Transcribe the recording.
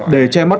để che mắt